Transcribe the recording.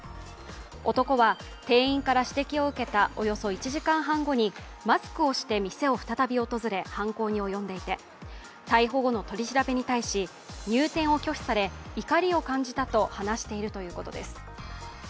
男は店員から指摘を受けたおよそ１時間半後にマスクをして店を再び訪れ、犯行に及んでいて逮捕後の取り調べに対し入店を拒否され怒りを感じたと話しているということです。